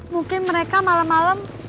mungkin mereka malam malam